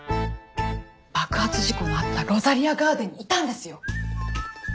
爆発事故のあったロザリアガーデンにいたんですよ。